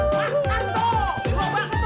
kasih cincin sama si elak